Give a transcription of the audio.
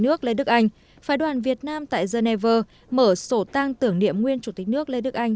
nước lê đức anh phái đoàn việt nam tại geneva mở sổ tăng tưởng niệm nguyên chủ tịch nước lê đức anh